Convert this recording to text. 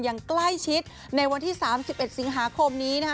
อย่างใกล้ชิดในวันที่๓๑สิงหาคมนี้นะคะ